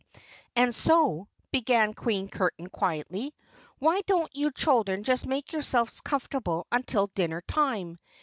"And so," began Queen Curtain quietly, "why don't you children just make yourselves comfortable until dinner time?